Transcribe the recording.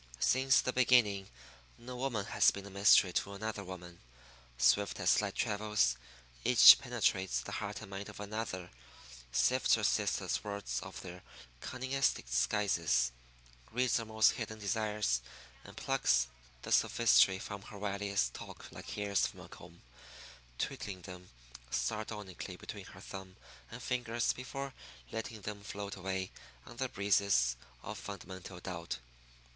Since the beginning no woman has been a mystery to another woman. Swift as light travels, each penetrates the heart and mind of another, sifts her sister's words of their cunningest disguises, reads her most hidden desires, and plucks the sophistry from her wiliest talk like hairs from a comb, twiddling them sardonically between her thumb and fingers before letting them float away on the breezes of fundamental doubt.